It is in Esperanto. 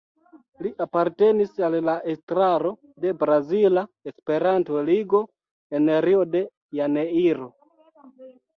Li apartenis al la estraro de Brazila Esperanto-Ligo, en Rio de Janeiro.